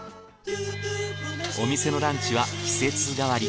お店のランチは季節替わり。